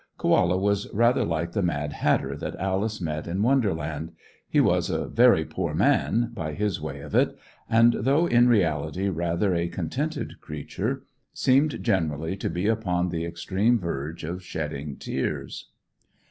Koala was rather like the Mad Hatter that Alice met in Wonderland; he was "a very poor man," by his way of it; and, though in reality rather a contented creature, seemed generally to be upon the extreme verge of shedding tears.